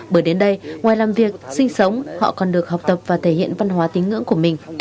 bởi đến đây ngoài làm việc sinh sống họ còn được học tập và thể hiện văn hóa tín ngưỡng của mình